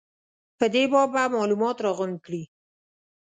په دې باب به معلومات راغونډ کړي.